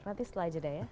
nanti setelah aja dah ya